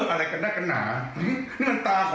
ฉันไม่อยากมีดีเสน่ห์